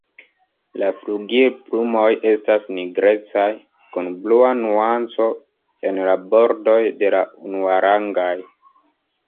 La flugilplumoj estas nigrecaj, kun blua nuanco en la bordoj de la unuarangaj.